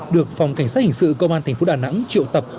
được phòng cảnh sát hình sự công an thành phố đà nẵng triệu tập